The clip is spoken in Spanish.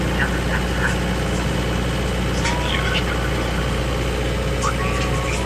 Hay varios cuerpos femeninos entrelazados, unos desnudos y otros con vestidos de inspiración rumana.